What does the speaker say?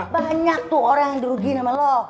banyak tuh orang yang dirugiin sama lo